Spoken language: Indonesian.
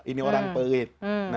ini orang pelit